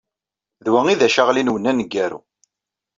D wa ay d acaɣli-nwen aneggaru.